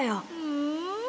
うん？